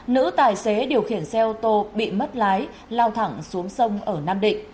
nữ tài xế điều khiển xe ô tô bị mất lái lao thẳng xuống sông ở nam định